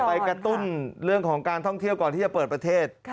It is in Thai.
ไปกระตุ้นเรื่องของการท่องเที่ยวก่อนที่จะเปิดประเทศ